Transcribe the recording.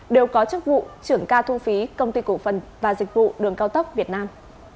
đều có chức vụ trưởng ca thu phí công ty cổ phần và dịch vụ đường cao tốc việt nam